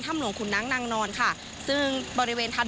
คำหลวงขุนนางนอนค่ะซึ่งบริเวณถนน